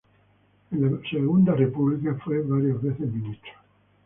Durante el periodo de la Segunda República fue varias veces ministro.